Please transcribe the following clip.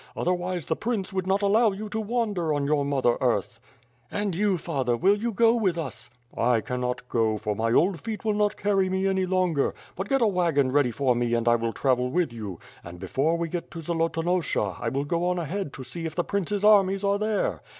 Otherwise the prince would not allow you to wander on your mother earth." "And you father, will go with us?" "I cannot go, for my old feet will not carry me any longer, hut get a wagon ready for me and 1 will travel with you; and before we get to Zolotonosha I will go on ahead to see if the Prince's armies are there.